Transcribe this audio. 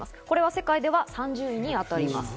世界では３０位にあたります。